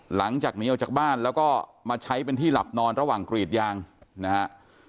หลังจากหนีออกจากบ้านแล้วก็มาใช้เป็นที่หลับนอนระหว่างกรีดยางนะฮะ